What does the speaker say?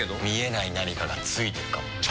見えない何かがついてるかも。